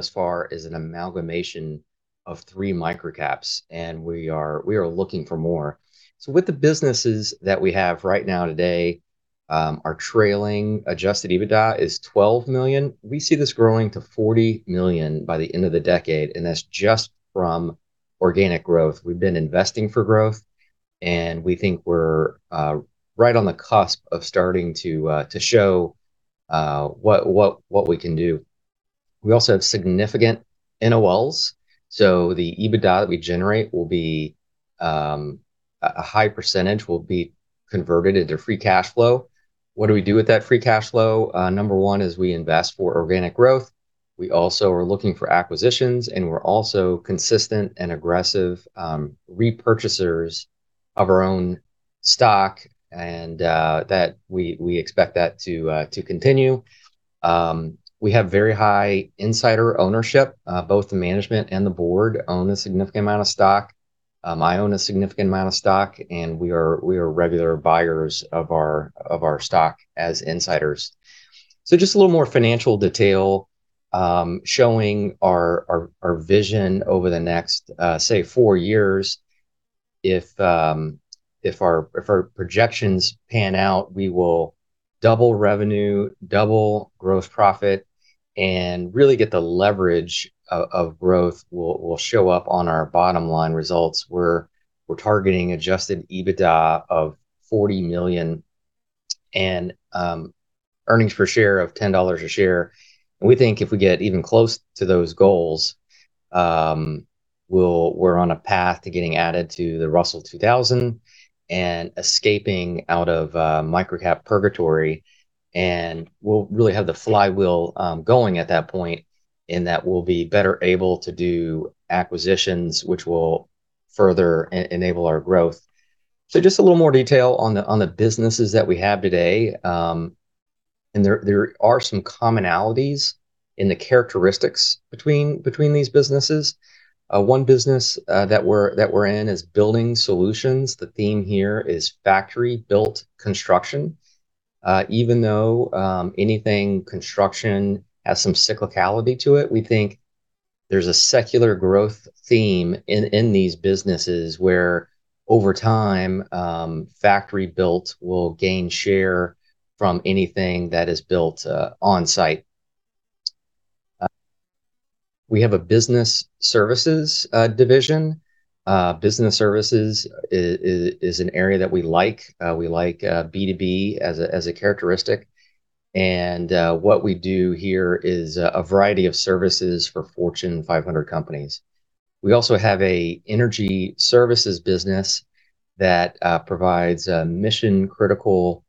As far as an amalgamation of three microcaps, and we are looking for more. With the businesses that we have right now today, our trailing adjusted EBITDA is $12 million. We see this growing to $40 million by the end of the decade, and that's just from organic growth. We've been investing for growth, and we think we're right on the cusp of starting to show what we can do. We also have significant NOLs. The EBITDA that we generate, a high percentage will be converted into free cash flow. What do we do with that free cash flow? Number one is we invest for organic growth. We also are looking for acquisitions, and we're also consistent and aggressive repurchasers of our own stock and that we expect that to continue. We have very high insider ownership. Both the management and the board own a significant amount of stock. I own a significant amount of stock, and we are regular buyers of our stock as insiders. Just a little more financial detail, showing our vision over the next, say, four years. If our projections pan out, we will double revenue, double gross profit, and really get the leverage of growth will show up on our bottom-line results. We're targeting adjusted EBITDA of $40 million and earnings per share of $10 a share. We think if we get even close to those goals, we're on a path to getting added to the Russell 2000 and escaping out of microcap purgatory. We'll really have the flywheel going at that point, in that we'll be better able to do acquisitions, which will further enable our growth. Just a little more detail on the businesses that we have today. There are some commonalities in the characteristics between these businesses. One business that we're in is building solutions. The theme here is factory-built construction. Even though anything construction has some cyclicality to it, we think there's a secular growth theme in these businesses where over time, factory-built will gain share from anything that is built on-site. We have a business services division. Business services is an area that we like. We like B2B as a characteristic. What we do here is a variety of services for Fortune 500 companies. We also have an energy services business that provides mission-critical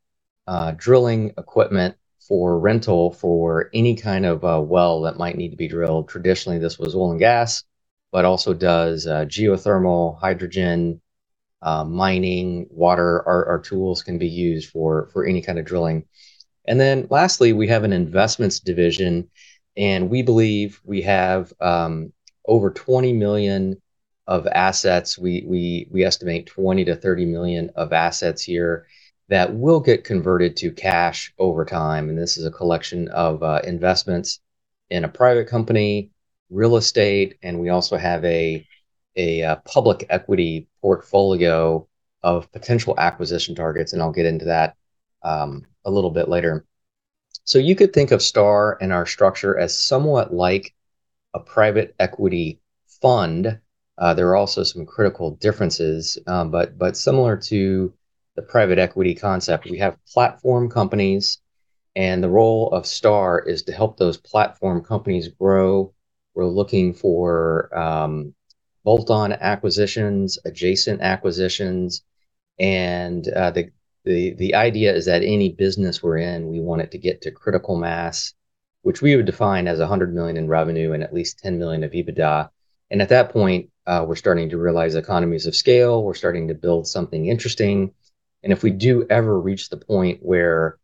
drilling equipment for rental for any kind of well that might need to be drilled. Traditionally, this was oil and gas, but also does geothermal, hydrogen, mining, water. Our tools can be used for any kind of drilling. Lastly, we have an investments division, and we believe we have over $20 million of assets. We estimate $20 million-$30 million of assets here that will get converted to cash over time, and this is a collection of investments in a private company, real estate, and we also have a public equity portfolio of potential acquisition targets, and I'll get into that a little bit later. You could think of Star and our structure as somewhat like a private equity fund. There are also some critical differences, but similar to the private equity concept, we have platform companies, and the role of Star is to help those platform companies grow. We're looking for bolt-on acquisitions, adjacent acquisitions, and the idea is that any business we're in, we want it to get to critical mass, which we would define as $100 million in revenue and at least $10 million of EBITDA. At that point, we're starting to realize economies of scale. We're starting to build something interesting. If we do ever reach the point where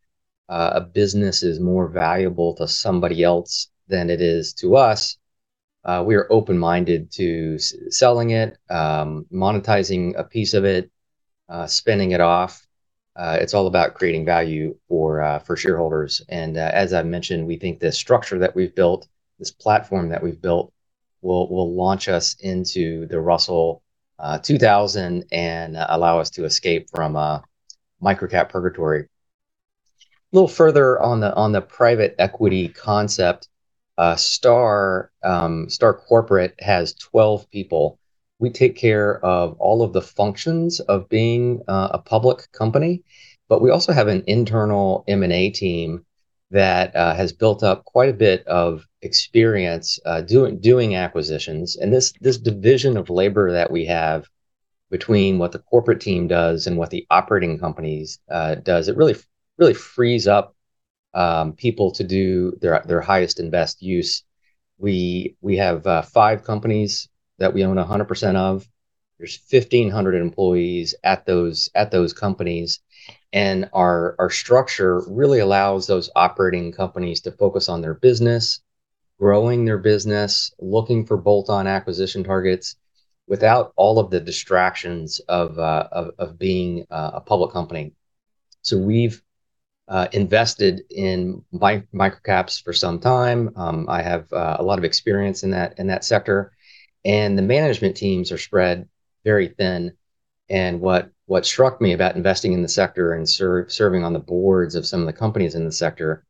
a business is more valuable to somebody else than it is to us, we are open-minded to selling it, monetizing a piece of it, spinning it off. It's all about creating value for shareholders. As I've mentioned, we think this structure that we've built, this platform that we've built, will launch us into the Russell 2000 and allow us to escape from microcap purgatory. A little further on the private equity concept, Star corporate has 12 people. We take care of all of the functions of being a public company, but we also have an internal M&A team that has built up quite a bit of experience doing acquisitions. This division of labor that we have between what the corporate team does and what the operating companies does, it really frees up people to do their highest and best use. We have five companies that we own 100% of. There's 1,500 employees at those companies, our structure really allows those operating companies to focus on their business, growing their business, looking for bolt-on acquisition targets without all of the distractions of being a public company. We've invested in micro caps for some time. I have a lot of experience in that sector, the management teams are spread very thin. What struck me about investing in the sector and serving on the boards of some of the companies in the sector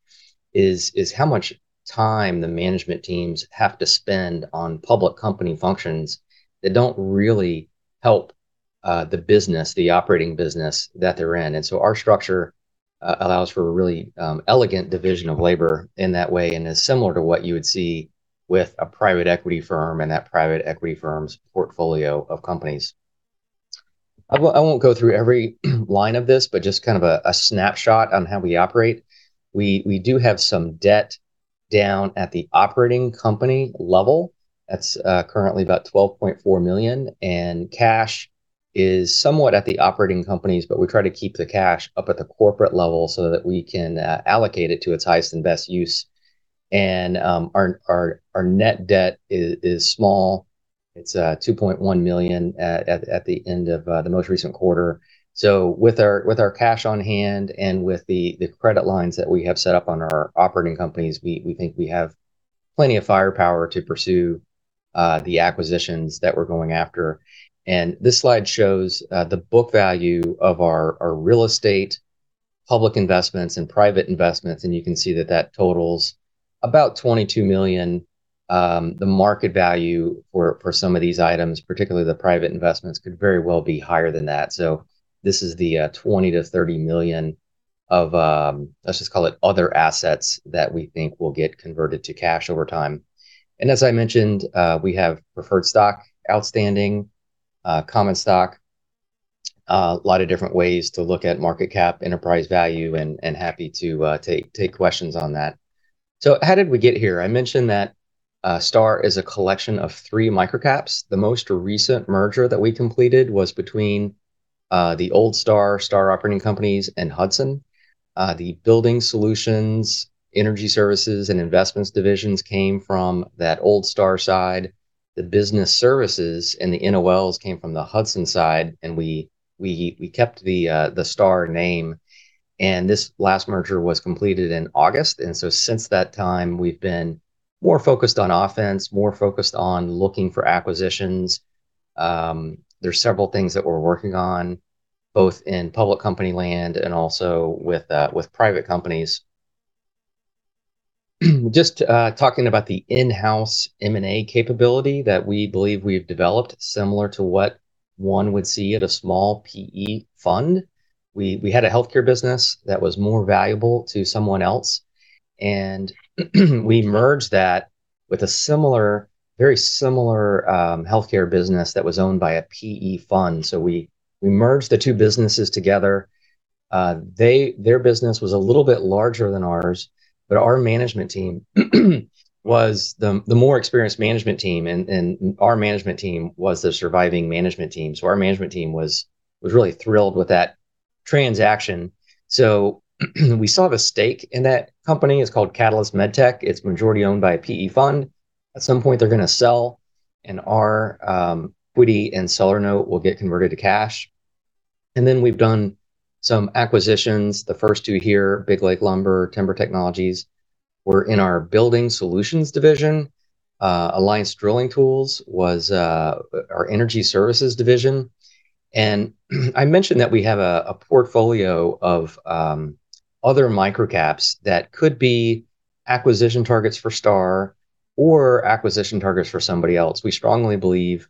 is how much time the management teams have to spend on public company functions that don't really help the business, the operating business that they're in. Our structure allows for a really elegant division of labor in that way, and is similar to what you would see with a private equity firm and that private equity firm's portfolio of companies. I won't go through every line of this, but just a snapshot on how we operate. We do have some debt down at the operating company level that's currently about $12.4 million, and cash is somewhat at the operating companies, but we try to keep the cash up at the corporate level so that we can allocate it to its highest and best use. Our net debt is small. It's $2.1 million at the end of the most recent quarter. With our cash on hand and with the credit lines that we have set up on our operating companies, we think we have plenty of firepower to pursue the acquisitions that we're going after. This slide shows the book value of our real estate, public investments and private investments, and you can see that that totals about $22 million. The market value for some of these items, particularly the private investments, could very well be higher than that. This is the $20 million-$30 million of, let's just call it other assets that we think will get converted to cash over time. As I mentioned, we have preferred stock, outstanding common stock. A lot of different ways to look at market cap enterprise value, and happy to take questions on that. How did we get here? I mentioned that Star is a collection of three micro caps. The most recent merger that we completed was between the old Star operating companies and Hudson. The Business Services and the NOLs came from the Hudson side, and we kept the Star name, and this last merger was completed in August. Since that time, we've been more focused on offense, more focused on looking for acquisitions. There's several things that we're working on, both in public company land and also with private companies. Just talking about the in-house M&A capability that we believe we've developed, similar to what one would see at a small PE fund. We had a healthcare business that was more valuable to someone else, and we merged that with a very similar healthcare business that was owned by a PE fund. We merged the two businesses together. Their business was a little bit larger than ours, but our management team was the more experienced management team, and our management team was the surviving management team. Our management team was really thrilled with that transaction. We still have a stake in that company. It's called Catalyst MedTech. It's majority owned by a PE fund. At some point, they're going to sell, and our equity and seller note will get converted to cash. We've done some acquisitions. The first two here, Big Lake Lumber, Timber Technologies, were in our building solutions division. Alliance Drilling Tools was our energy services division. I mentioned that we have a portfolio of other micro caps that could be acquisition targets for Star or acquisition targets for somebody else. We strongly believe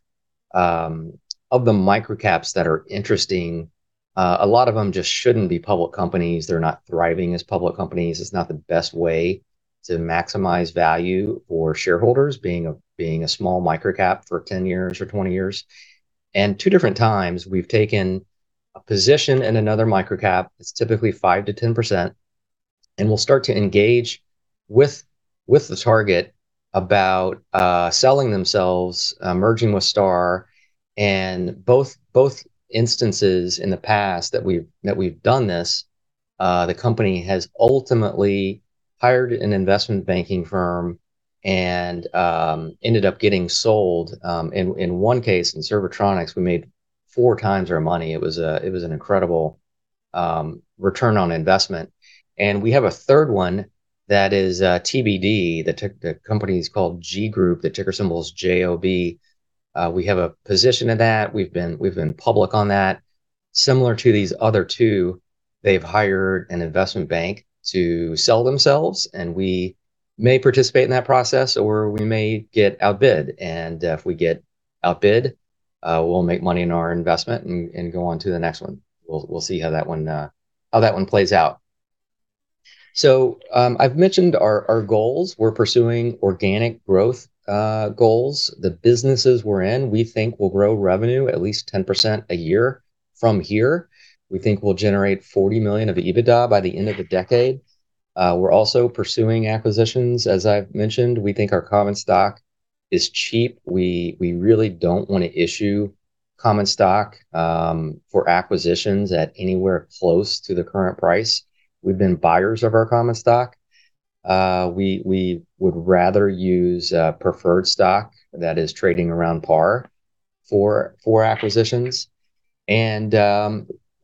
of the micro caps that are interesting, a lot of them just shouldn't be public companies. They're not thriving as public companies. It's not the best way to maximize value for shareholders, being a small micro cap for 10 years or 20 years. Two different times, we've taken a position in another micro cap. It's typically 5%-10%, and we'll start to engage with the target about selling themselves, merging with Star. Both instances in the past that we've done this, the company has ultimately hired an investment banking firm and ended up getting sold. In one case, in Servotronics, we made four times our money. It was an incredible return on investment. We have a third one that is TBD. The company is called GEE Group. The ticker symbol is JOB. We have a position in that. We've been public on that. Similar to these other two, they've hired an investment bank to sell themselves, and we may participate in that process, or we may get outbid, and if we get outbid, we'll make money on our investment and go on to the next one. We'll see how that one plays out. I've mentioned our goals. We're pursuing organic growth goals. The businesses we're in, we think will grow revenue at least 10% a year from here. We think we'll generate $40 million of EBITDA by the end of the decade. We're also pursuing acquisitions. As I've mentioned, we think our common stock is cheap. We really don't want to issue common stock for acquisitions at anywhere close to the current price. We've been buyers of our common stock. We would rather use preferred stock that is trading around par for acquisitions.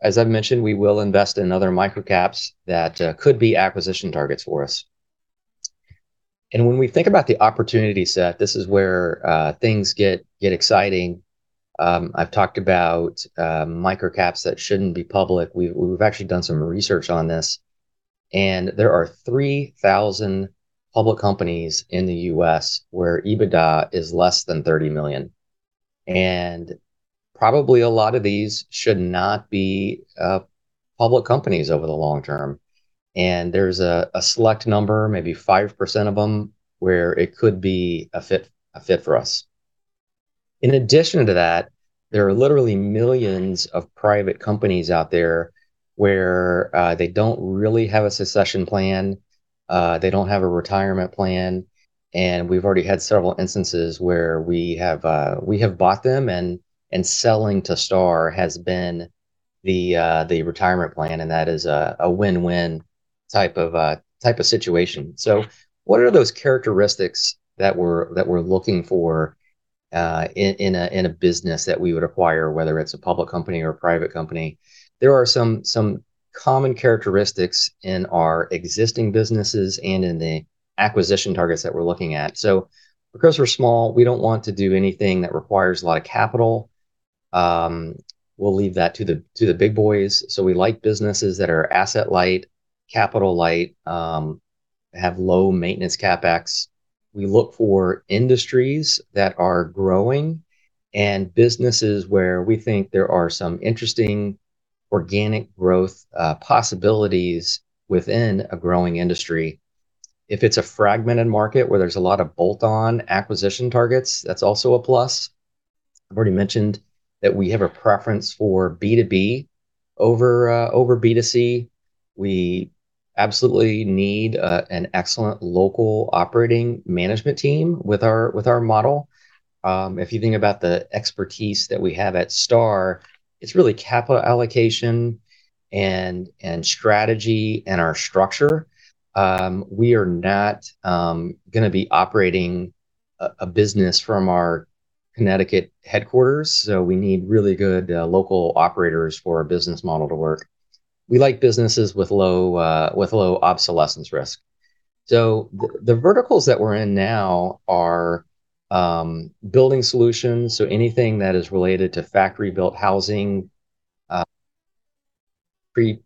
As I've mentioned, we will invest in other microcaps that could be acquisition targets for us. When we think about the opportunity set, this is where things get exciting. I've talked about microcaps that shouldn't be public. We've actually done some research on this, and there are 3,000 public companies in the U.S. where EBITDA is less than $30 million. Probably a lot of these should not be public companies over the long term. There's a select number, maybe 5% of them, where it could be a fit for us. In addition to that, there are literally millions of private companies out there where they don't really have a succession plan, they don't have a retirement plan, and we've already had several instances where we have bought them and selling to Star has been the retirement plan, and that is a win-win type of situation. What are those characteristics that we're looking for in a business that we would acquire, whether it's a public company or a private company? There are some common characteristics in our existing businesses and in the acquisition targets that we're looking at. Because we're small, we don't want to do anything that requires a lot of capital. We'll leave that to the big boys. We like businesses that are asset light, capital light, have low maintenance CapEx. We look for industries that are growing and businesses where we think there are some interesting organic growth possibilities within a growing industry. If it's a fragmented market where there's a lot of bolt-on acquisition targets, that's also a plus. I've already mentioned that we have a preference for B2B over B2C. We absolutely need an excellent local operating management team with our model. If you think about the expertise that we have at Star, it's really capital allocation and strategy and our structure. We are not going to be operating a business from our Connecticut headquarters. We need really good local operators for our business model to work. We like businesses with low obsolescence risk. The verticals that we're in now are building solutions. Anything that is related to factory-built housing,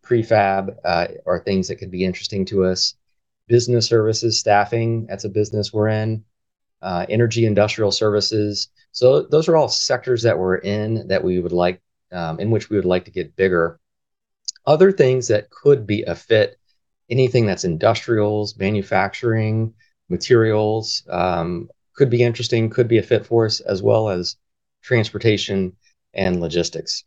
prefab are things that could be interesting to us. Business services, staffing, that's a business we're in. Energy industrial services. Those are all sectors that we're in which we would like to get bigger. Other things that could be a fit, anything that's industrials, manufacturing, materials could be interesting, could be a fit for us, as well as transportation and logistics.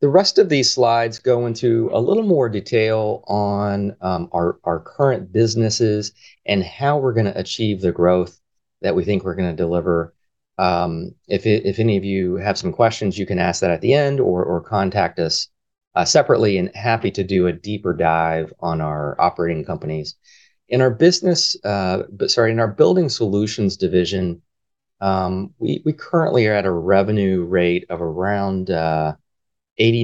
The rest of these slides go into a little more detail on our current businesses and how we're going to achieve the growth that we think we're going to deliver. If any of you have some questions, you can ask that at the end or contact us separately, and happy to do a deeper dive on our operating companies. In our building solutions division, we currently are at a revenue rate of around $80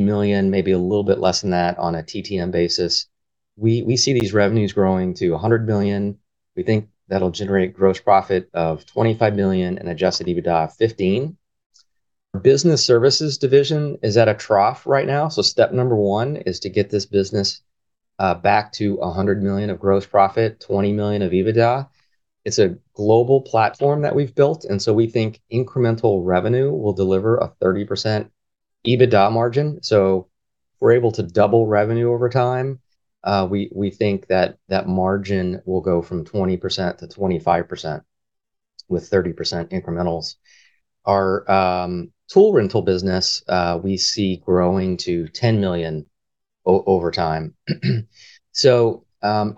million, maybe a little bit less than that on a TTM basis. We see these revenues growing to $100 million. We think that'll generate gross profit of $25 million and adjusted EBITDA of $15 million. Business services division is at a trough right now, step number one is to get this business back to $100 million of gross profit, $20 million of EBITDA. It's a global platform that we've built, we think incremental revenue will deliver a 30% EBITDA margin. If we're able to double revenue over time, we think that that margin will go from 20%-25% with 30% incrementals. Our tool rental business we see growing to $10 million over time.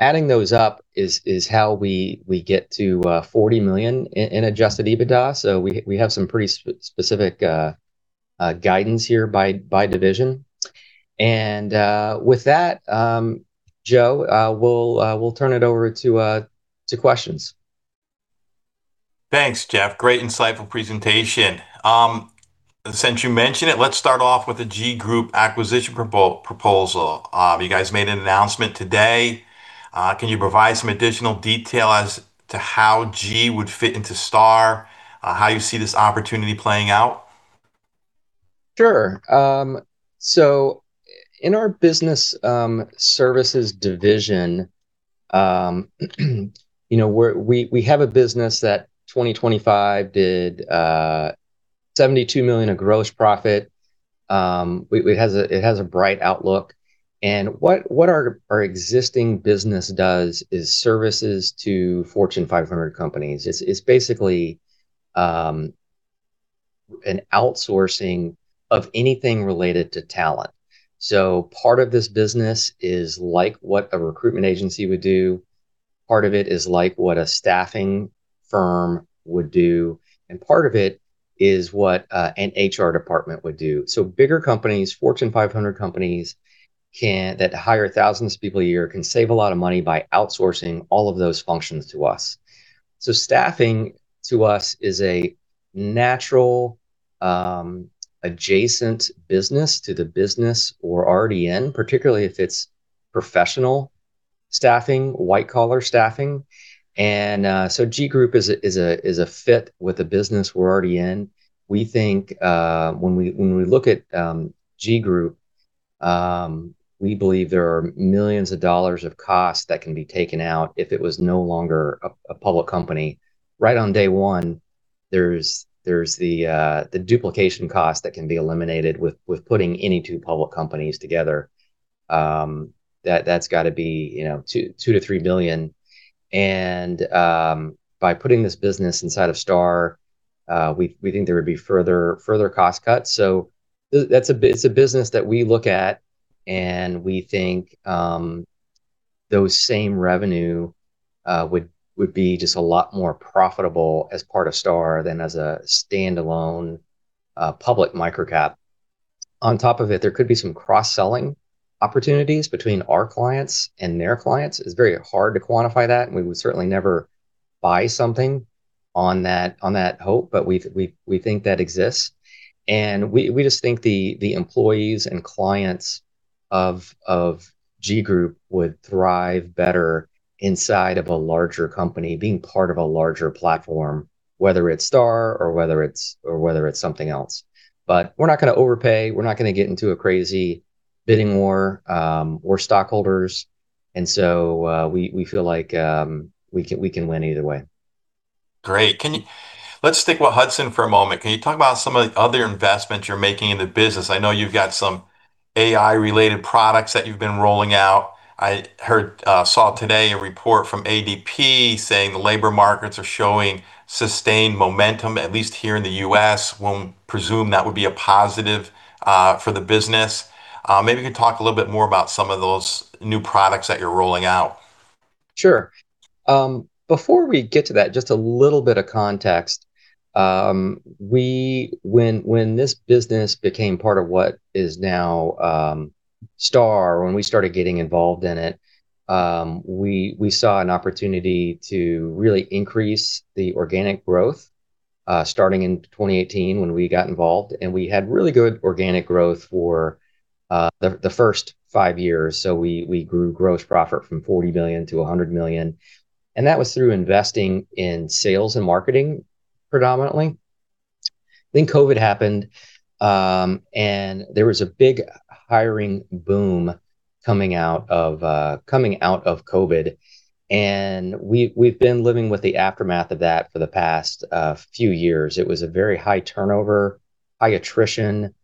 Adding those up is how we get to $40 million in adjusted EBITDA. We have some pretty specific guidance here by division. With that, Joe, we'll turn it over to questions. Thanks, Jeff. Great, insightful presentation. Since you mentioned it, let's start off with the GEE Group acquisition proposal. You guys made an announcement today. Can you provide some additional detail as to how GEE would fit into Star? How you see this opportunity playing out? Sure. In our business services division we have a business that 2025 did $72 million of gross profit. It has a bright outlook. What our existing business does is services to Fortune 500 companies. It's basically an outsourcing of anything related to talent. Part of this business is like what a recruitment agency would do, part of it is like what a staffing firm would do, and part of it is what an HR department would do. Bigger companies, Fortune 500 companies that hire thousands of people a year can save a lot of money by outsourcing all of those functions to us. Staffing to us is a natural adjacent business to the business we're already in, particularly if it's professional staffing, white-collar staffing. GEE Group is a fit with the business we're already in. We think when we look at GEE Group Inc., we believe there are millions of dollars of costs that can be taken out if it was no longer a public company. Right on day one, there's the duplication cost that can be eliminated with putting any two public companies together. That's got to be $2 million-$3 million, and by putting this business inside of Star, we think there would be further cost cuts. It's a business that we look at, and we think those same revenue would be just a lot more profitable as part of Star than as a standalone public micro cap. On top of it, there could be some cross-selling opportunities between our clients and their clients. It's very hard to quantify that, and we would certainly never buy something on that hope, but we think that exists. We just think the employees and clients of GEE Group would thrive better inside of a larger company, being part of a larger platform, whether it's Star or whether it's something else. We're not going to overpay. We're not going to get into a crazy bidding war. We're stockholders. We feel like we can win either way. Great. Let's stick with Hudson for a moment. Can you talk about some of the other investments you're making in the business? I know you've got some AI-related products that you've been rolling out. I saw today a report from ADP saying the labor markets are showing sustained momentum, at least here in the U.S. We'll presume that would be a positive for the business. Maybe you could talk a little bit more about some of those new products that you're rolling out. Sure. Before we get to that, just a little bit of context. When this business became part of what is now Star, when we started getting involved in it, we saw an opportunity to really increase the organic growth, starting in 2018 when we got involved, and we had really good organic growth for the first five years. We grew gross profit from $40 million-$100 million, and that was through investing in sales and marketing predominantly. COVID happened, and there was a big hiring boom coming out of COVID, and we've been living with the aftermath of that for the past few years. It was a very high turnover, high attrition.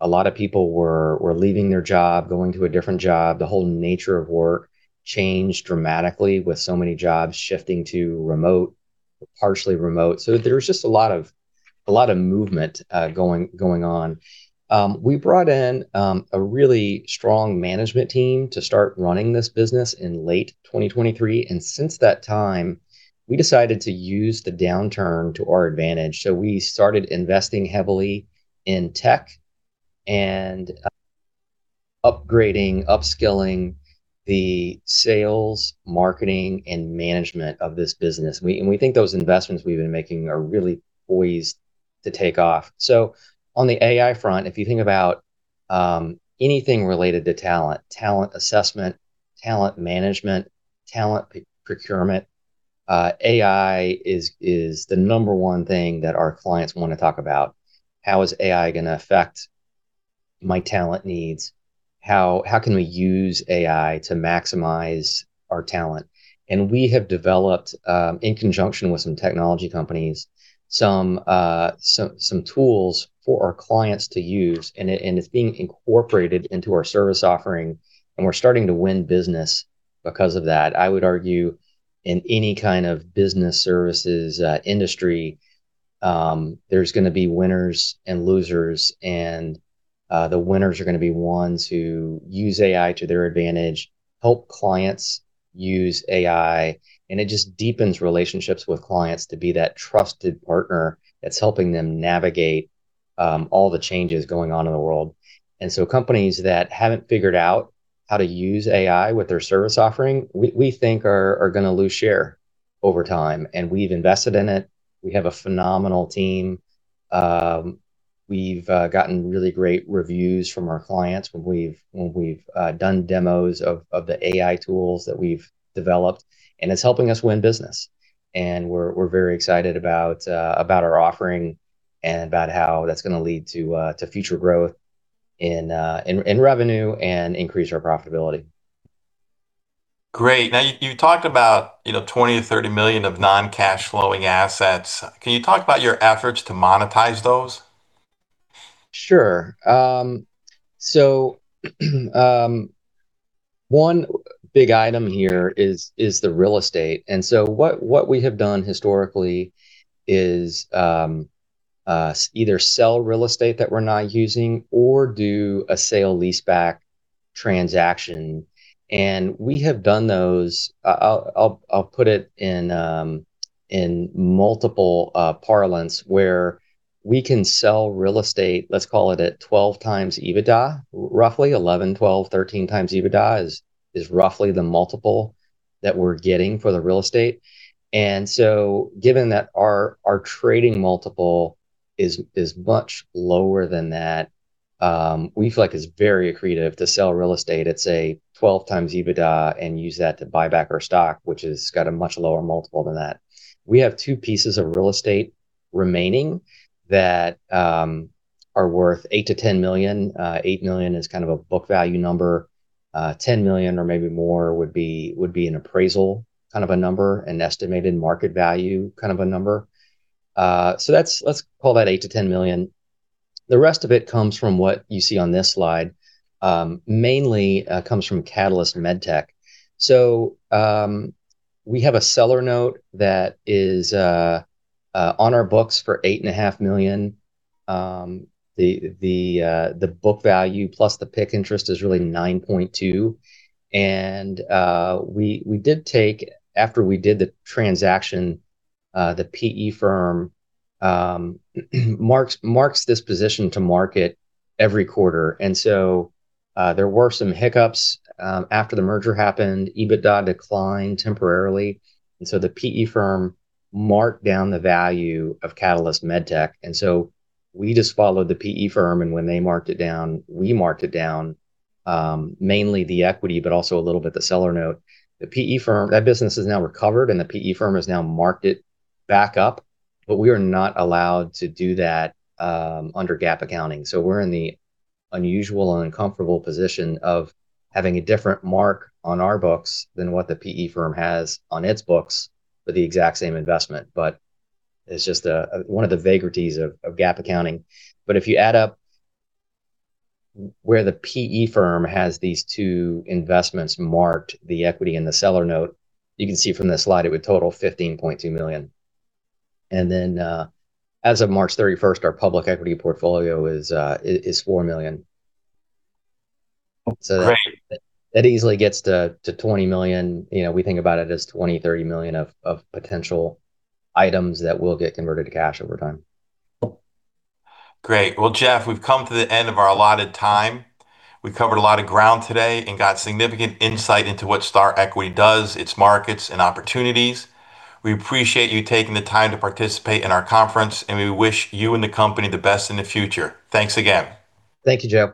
A lot of people were leaving their job, going to a different job. The whole nature of work changed dramatically with so many jobs shifting to remote or partially remote. There was just a lot of movement going on. We brought in a really strong management team to start running this business in late 2023, and since that time, we decided to use the downturn to our advantage. We started investing heavily in tech and upgrading, upskilling the sales, marketing, and management of this business. We think those investments we've been making are really poised to take off. On the AI front, if you think about anything related to talent assessment, talent management, talent procurement, AI is the number one thing that our clients want to talk about. How is AI going to affect my talent needs? How can we use AI to maximize our talent? We have developed, in conjunction with some technology companies, some tools for our clients to use, and it's being incorporated into our service offering, and we're starting to win business because of that. I would argue in any kind of business services industry, there's going to be winners and losers, and the winners are going to be ones who use AI to their advantage, help clients use AI, and it just deepens relationships with clients to be that trusted partner that's helping them navigate all the changes going on in the world. Companies that haven't figured out how to use AI with their service offering, we think are going to lose share over time. We've invested in it. We have a phenomenal team. We've gotten really great reviews from our clients when we've done demos of the AI tools that we've developed, and it's helping us win business. We're very excited about our offering and about how that's going to lead to future growth in revenue and increase our profitability. Great. You talked about $20 million-$30 million of non-cash flowing assets. Can you talk about your efforts to monetize those? Sure. One big item here is the real estate. What we have done historically is either sell real estate that we're not using or do a sale-leaseback transaction. We have done those, I'll put it in multiple parlance, where we can sell real estate, let's call it at 12x EBITDA, roughly 11x, 12x, 13x EBITDA is roughly the multiple that we're getting for the real estate. Given that our trading multiple is much lower than that, we feel like it's very accretive to sell real estate at, say, 12x EBITDA and use that to buy back our stock, which has got a much lower multiple than that. We have two pieces of real estate remaining that are worth $8 million-$10 million. $8 million is a book value number. $10 million or maybe more would be an appraisal kind of a number, an estimated market value kind of a number. Let's call that $8 million-$10 million. The rest of it comes from what you see on this slide. Mainly comes from Catalyst MedTech. We have a seller note that is on our books for $8.5 million. The book value plus the PIK interest is really $9.2 million. We did take, after we did the transaction, the PE firm marks this position to market every quarter. There were some hiccups after the merger happened. EBITDA declined temporarily, and so the PE firm marked down the value of Catalyst MedTech. We just followed the PE firm, and when they marked it down, we marked it down, mainly the equity, but also a little bit the seller note. That business has now recovered, and the PE firm has now marked it back up, but we are not allowed to do that under GAAP accounting. We're in the unusual and uncomfortable position of having a different mark on our books than what the PE firm has on its books for the exact same investment. It's just one of the vagaries of GAAP accounting. If you add up where the PE firm has these two investments marked, the equity and the seller note, you can see from this slide it would total $15.2 million. As of March 31st, our public equity portfolio is $4 million. Great. That easily gets to $20 million. We think about it as $20, $30 million of potential items that will get converted to cash over time. Great. Well, Jeff, we've come to the end of our allotted time. We covered a lot of ground today and got significant insight into what Star Equity does, its markets, and opportunities. We appreciate you taking the time to participate in our conference, and we wish you and the company the best in the future. Thanks again. Thank you, Joe.